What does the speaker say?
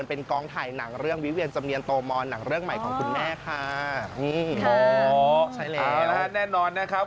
เออใช่แล้วนะฮะแน่นอนนะครับ